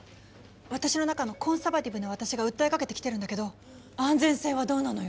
私の中のコンサバティブな私が訴えかけてきてるんだけど安全性はどうなのよ。